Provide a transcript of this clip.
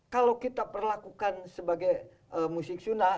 kalau kita perlakukan sebagai musik sunnah